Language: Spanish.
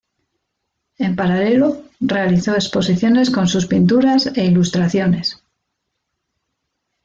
En paralelo, realizó exposiciones con sus pinturas e ilustraciones.